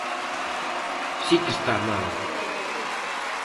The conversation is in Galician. Si que está mal.